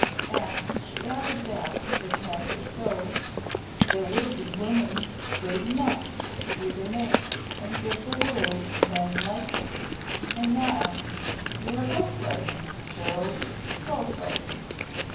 And she added that if men were so, there would be women great enough to be their mates and give the world men like them. And now you are both right, Gerald; both right.